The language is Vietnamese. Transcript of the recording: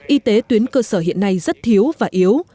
y tế tuyến cơ sở hiện nay rất thiếu và yếu